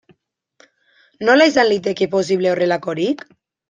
Nola izan liteke posible horrelakorik?